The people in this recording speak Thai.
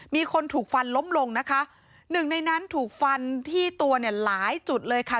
มีคนถูกฟันล้มลงนะคะหนึ่งในนั้นถูกฟันที่ตัวเนี่ยหลายจุดเลยค่ะ